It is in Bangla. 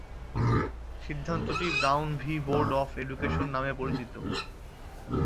সিদ্ধান্তটি Brown v Board of Education নামে পরিচিত।